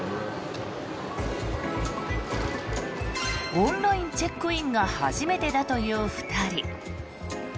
オンラインチェックインが初めてだという２人。